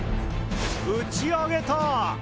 打ち上げたァ！